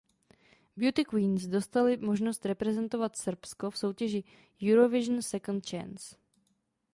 Beauty Queens dostaly možnost reprezentovat Srbsko v soutěži "Eurovision Second Chance".